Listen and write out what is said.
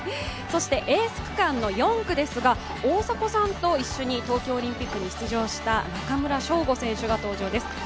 そしてエース区間の４区ですが大迫さんと一緒に東京オリンピックに出場した中村匠吾選手が登場です。